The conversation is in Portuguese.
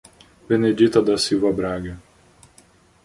Benedita da Silva Braga